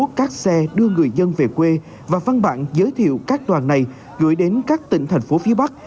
các xe đưa người dân về quê và văn bản giới thiệu các đoàn này gửi đến các tỉnh thành phố phía bắc